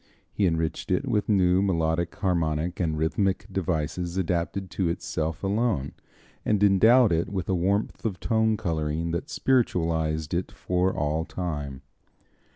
He enriched it with new melodic, harmonic and rhythmic devices adapted to itself alone, and endowed it with a warmth of tone coloring that spiritualized it for all time.